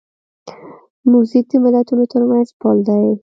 موزیک د ملتونو ترمنځ پل دی.